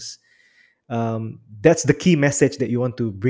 itu adalah pesan utama yang ingin anda bawa